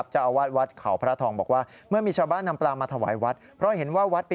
จนตายไปเองตามธรรมชาตินั่นเองนะครับ